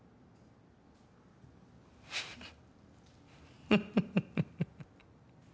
フフッフフフッ。